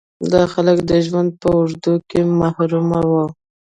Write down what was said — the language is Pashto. دا خلک د ژوند په اوږدو کې محروم وو.